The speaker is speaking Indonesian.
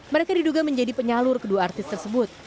mereka diduga menjadi penyalur kedua artis tersebut